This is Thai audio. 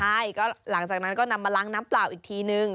ใช่ก็หลังจากนั้นก็นำมาล้างน้ำเปล่าอีกทีนึง